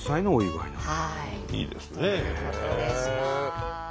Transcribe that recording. いいですね。